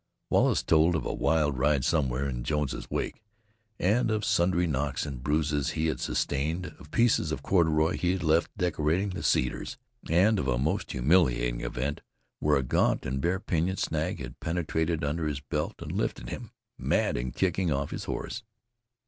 Wallace told of a wild ride somewhere in Jones's wake, and of sundry knocks and bruises he had sustained, of pieces of corduroy he had left decorating the cedars and of a most humiliating event, where a gaunt and bare pinyon snag had penetrated under his belt and lifted him, mad and kicking, off his horse.